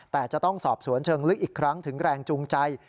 แต่จะต้องสอบสวนเชิงลึกอีกครั้งถึงแรงจูงใจ